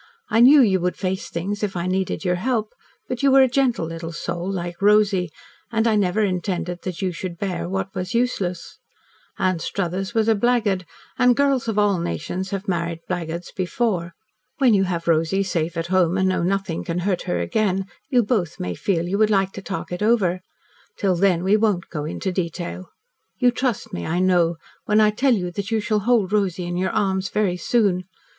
I knew you would face things, if I needed your help, but you were a gentle little soul, like Rosy, and I never intended that you should bear what was useless. Anstruthers was a blackguard, and girls of all nations have married blackguards before. When you have Rosy safe at home, and know nothing can hurt her again, you both may feel you would like to talk it over. Till then we won't go into detail. You trust me, I know, when I tell you that you shall hold Rosy in your arms very soon.